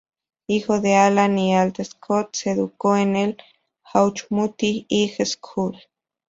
Hijo de Alan y Elma Scott, se educó en el Auchmuty High School.